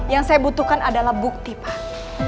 yang saya butuhkan adalah bukti pak